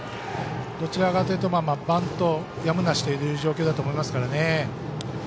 どちらかというとバントやむなしという状況だと思います。